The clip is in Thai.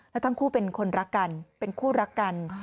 แล้วทั้งคู่เป็นคนรักกันเป็นคู่รักกัน